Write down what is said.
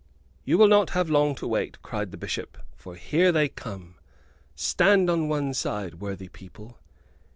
"You will not have long to wait," cried the Bishop, "for here they come. Stand on one side, worthy people."